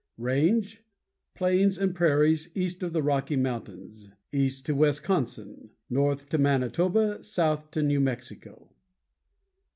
RANGE Plains and prairies east of the Rocky Mountains; east to Wisconsin, north to Manitoba, south to New Mexico.